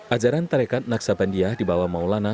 ajaran tarekat naksabandia dibawa maulana